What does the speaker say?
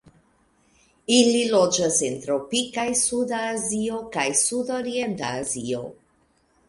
Ili loĝas en tropikaj Suda Azio kaj Sudorienta Azio.